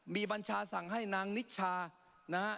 มีบัญชาสั่งให้นางนิชชานะฮะ